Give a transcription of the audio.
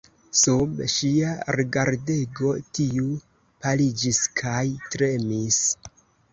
Sub ŝia rigardego tiu paliĝis kaj tremis.